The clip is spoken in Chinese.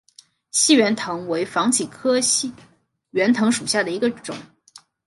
细圆藤为防己科细圆藤属下的一个种。